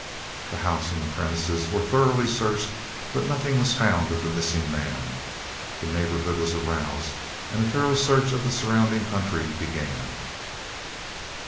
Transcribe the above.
The house and the premises were thoroughly searched, but nothing was found of the missing man. The neighborhood was aroused and a thorough search of the surrounding country began.